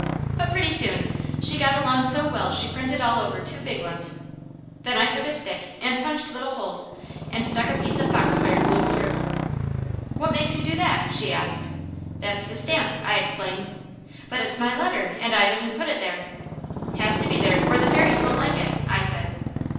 But pretty soon she got along so well she printed all over two big ones. Then I took a stick and punched little holes and stuck a piece of foxfire bloom through. "What makes you do that?" she asked. "That's the stamp," I explained. "But it's my letter, and I didn't put it there." "Has to be there or the Fairies won't like it," I said.